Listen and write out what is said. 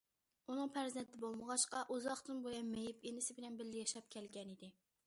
ئۇنىڭ پەرزەنتى بولمىغاچقا، ئۇزاقتىن بۇيان مېيىپ ئىنىسى بىلەن بىللە ياشاپ كەلگەنىدى.